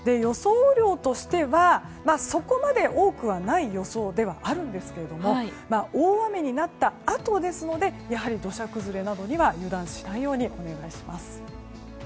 雨量としてはそこまで多くはない予想ではあるんですけれども大雨になったあとですので土砂崩れなどには油断しないようにお願いします。